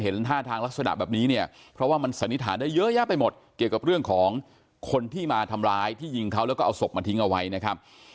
แล้วก็เอาศพมาทิ้งเอาไว้นะครับ